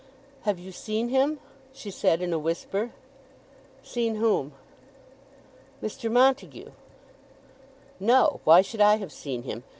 "Have you seen him?" she said in a whisper. "Seen whom?" "Mr. Montague." "No; why should I have seen him?